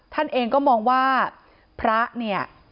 ท่านเองก็มองว่าพระเนี่ย